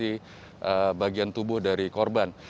yang berisi bagian tubuh dari korban